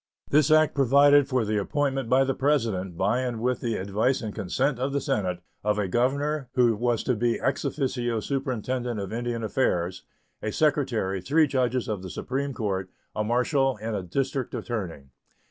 This act provided for the appointment by the President, by and with the advice and consent of the Senate, of a governor (who was to be ex officio superintendent of Indian affairs), a secretary, three judges of the supreme court, a marshal, and a district attorney.